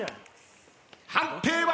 判定は？